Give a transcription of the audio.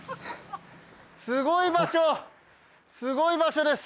すごい場所すごい場所です。